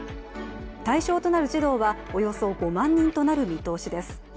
対象となる児童はおよそ５万人となる見通しです。